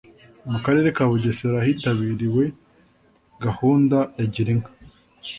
mu karere ka bugesera hitabiriwe gahunda ya gira inka